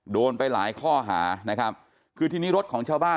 โดนไปหลายข้อหานะครับคือทีนี้รถของชาวบ้าน